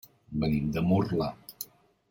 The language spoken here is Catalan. Venim de Murla.